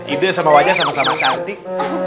ide sama wajah sama sama cantik